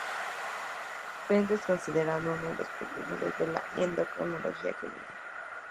Pende es considerado uno de los precursores de la endocrinología criminal.